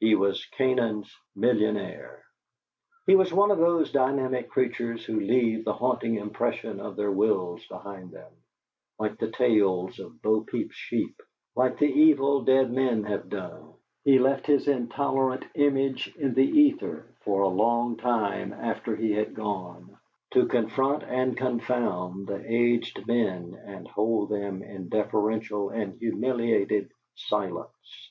He was Canaan's millionaire. He was one of those dynamic creatures who leave the haunting impression of their wills behind them, like the tails of Bo Peep's sheep, like the evil dead men have done; he left his intolerant image in the ether for a long time after he had gone, to confront and confound the aged men and hold them in deferential and humiliated silence.